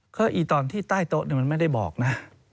ก็อีตอนที่ใต้โต๊ะมันไม่ได้บอกนะ